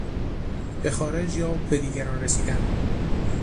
به خارج یا به دیگران رسیدن